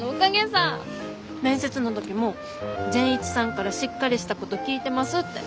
面接の時も「善一さんからしっかりした子と聞いてます」って。